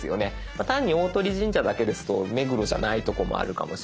単に「大鳥神社」だけですと目黒じゃないとこもあるかもしれない。